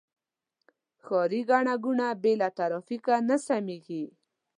ښاري ګڼه ګوڼه بې له ترافیکه نه سمېږي.